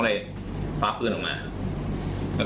ไม่เกิดการยิงอีกคนนึง